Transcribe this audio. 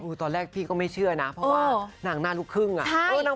ตอนแรกพี่ก็ไม่เชื่อนะเพราะว่านางหน้าลูกครึ่งอ่ะ